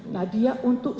nah dia untuk